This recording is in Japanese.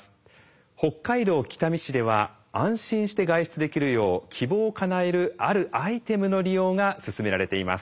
北海道北見市では安心して外出できるよう希望をかなえるあるアイテムの利用が進められています。